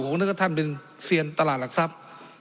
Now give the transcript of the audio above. ผมนึกว่าท่านเป็นเซียนตลาดหลักทรัพย์